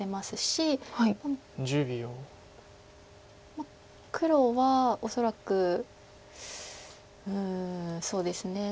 まあ黒は恐らくうんそうですね。